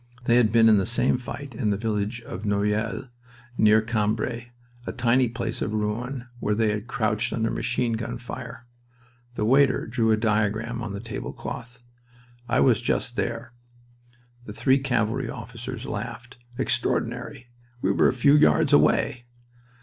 They had been in the same fight in the village of Noyelles, near Cambrai, a tiny place of ruin, where they had crouched under machine gun fire. The waiter drew a diagram on the table cloth. "I was just there." The three cavalry officers laughed. "Extraordinary! We were a few yards away."